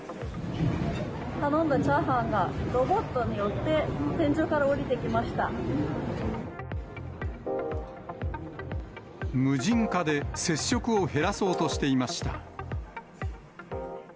頼んだチャーハンがロボットによって、無人化で接触を減らそうとしていました。